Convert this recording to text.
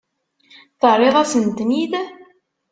Terriḍ-asen-ten-id?